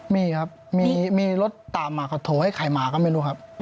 มีครับมีรถตามมาเขาโทรให้ใครมาก็ไม่รู้ครับ